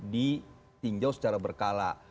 ditingjau secara berkala